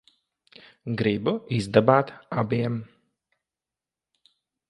Gribu izdabāt abiem.